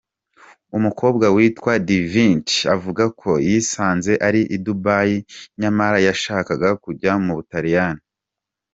Umukobwa witwa Divinity avuga ko yisanze ari i Dubai nyamara yashakaga kujya mu Butaliyani.